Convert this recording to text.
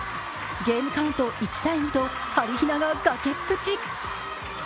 ゲームカウント１−２とはりひなが崖っぷち。